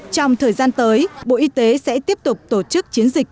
trong thời gian tới bộ y tế sẽ tiếp tục tổ chức chiến dịch